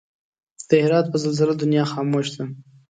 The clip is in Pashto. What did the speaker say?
د هرات په زلزله دنيا خاموش ده